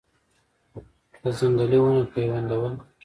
د ځنګلي ونو پیوندول ګټه لري؟